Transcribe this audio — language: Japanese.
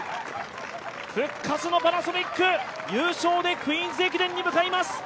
復活のパナソニック、優勝でクイーンズ駅伝に向かいます。